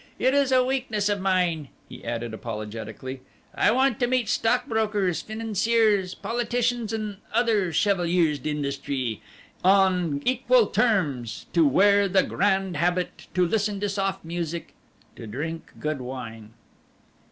It is a weakness of mine," he added apologetically. "I want to meet stockbrokers, financiers, politicians and other chevaliers d'industrie on equal terms, to wear the grande habit, to listen to soft music, to drink good wine."